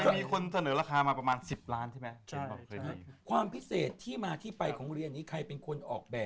เคยมีคนเสนอราคามาประมาณ๑๐ล้านใช่ไหม